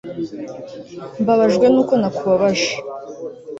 mbabajwe nuko nakubabaje